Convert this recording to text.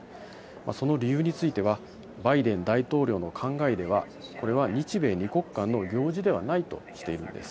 その理由については、バイデン大統領の考えでは、これは日米２国間の行事ではないとしているんです。